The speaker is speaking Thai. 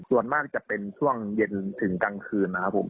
ส่วนมากจะเป็นช่วงเย็นถึงกลางคืนนะครับผม